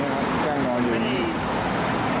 ไม่เป็นไรนะ